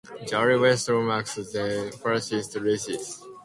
Granny Weatherwax then pursues Lilith.